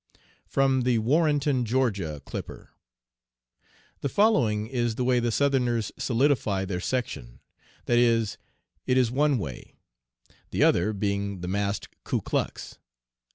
(From the Warrenton (Ga.) Clipper.) "The following is the way the Southerners solidify their section that is, it is one way the other, being the masked Kuklux.